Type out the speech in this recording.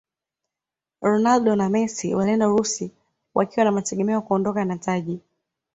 ronaldo na messi walienda urusi wakiwa na mategemeo ya kuondoka na taji